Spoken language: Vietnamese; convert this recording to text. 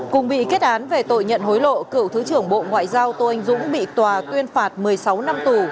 cùng bị kết án về tội nhận hối lộ cựu thứ trưởng bộ ngoại giao tô anh dũng bị tòa tuyên phạt một mươi sáu năm tù